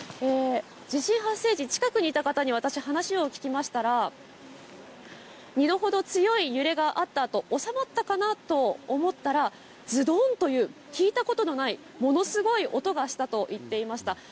地震発生時近くにいた方に私、話を聞きましたら２度ほど強い揺れがあったあと、おさまったかなと思ったらズドンという聞いたことのないものすごい音がしたと言っていました。